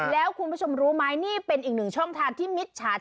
แล้วคุณผู้ชมรู้ไหมนี่เป็นอีกหนึ่งช่องทางที่มิจฉา